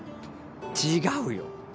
違うよ。